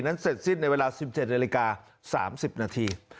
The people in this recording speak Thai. นั้นเสร็จสิ้นในเวลาสิบเจนนาฬิกาสามสิบนาที